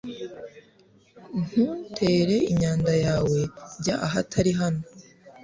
Ntutere imyanda yawe jya ahatari hano .